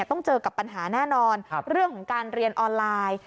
ต้องเจอกับปัญหาแน่นอนเรื่องของการเรียนออนไลน์